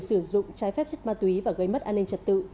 sử dụng trái phép chất ma túy và gây mất an ninh trật tự